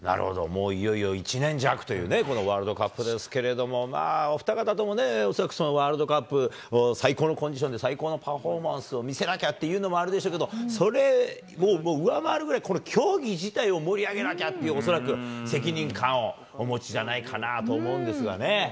もう、いよいよ１年弱というね、このワールドカップですけれども、まあ、お二方ともね、恐らくワールドカップ、最高のコンディションで、最高のパフォーマンスを見せなきゃっていうのもあるでしょうけど、それを上回るくらい、この競技自体を盛り上げなきゃっていう、恐らく責任感をお持ちじゃないかなと思うんですがね。